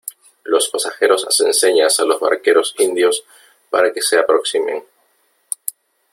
los pasajeros hacen señas a los barqueros indios para que se aproximen :